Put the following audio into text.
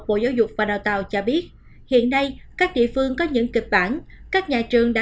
bộ giáo dục và đào tạo cho biết hiện nay các địa phương có những kịch bản các nhà trường đã